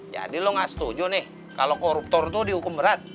jadi lo gak setuju nih kalau koruptor tuh dihukum berat